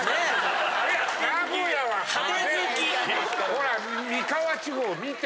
ほら。